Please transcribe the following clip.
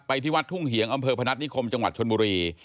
ที่วัดทุ่งเหียงอำเภอพนัฐนิคมจังหวัดชนบุรี